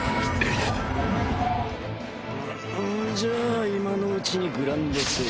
んじゃあ今のうちにグラウンド整備を。